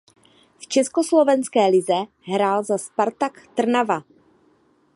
V československé lize hrál za Spartak Trnava.